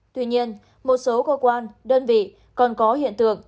tuy nhiên một số cơ quan đơn vị còn có hiện tượng